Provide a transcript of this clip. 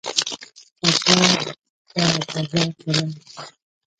سبا به بازار ته لاړ شم.